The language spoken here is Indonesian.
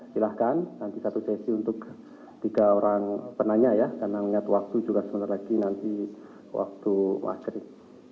silahkan nanti satu sesi untuk tiga orang penanya ya karena mengingat waktu juga sebentar lagi nanti waktu maghrib